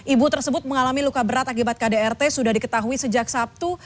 ibu tersebut mengalami luka berat akibat kdrt sudah diketahui sejak sabtu